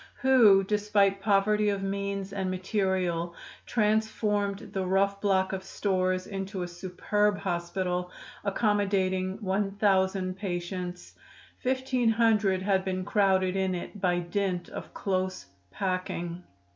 who, despite poverty of means and material, transformed the rough block of stores into a superb hospital, accommodating 1000 patients. Fifteen hundred had been crowded in it by dint of close packing.